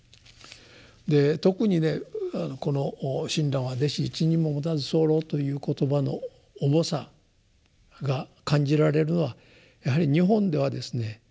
特にねこの「親鸞は弟子一人ももたずさふらふ」という言葉の重さが感じられるのはやはり日本ではですね